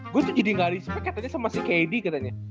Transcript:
gua tuh jadi ga respect katanya sama si kd katanya